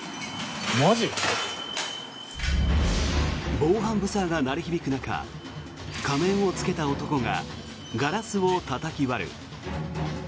防犯ブザーが鳴り響く中仮面を着けた男がガラスをたたき割る。